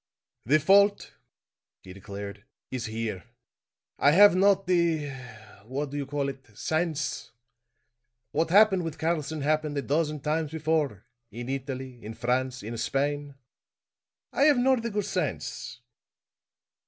"The fault," he declared, "is here. I have not the what do you call it sense? What happened with Karlson happened a dozen times before in Italy, in France, in Spain. I have not the good sense!"